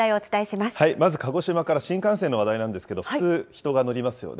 まず鹿児島から、新幹線の話題なんですけど、普通、人が乗りますよね。